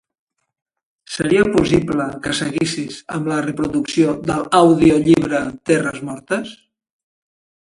Seria possible que seguissis amb la reproducció de l'audiollibre "Terres mortes"?